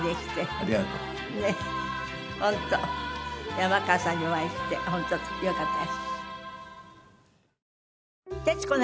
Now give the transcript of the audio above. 山川さんにお会いして本当よかったです。